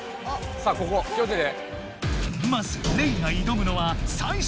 さあここ気をつけて！